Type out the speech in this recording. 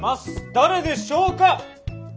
誰でしょうか？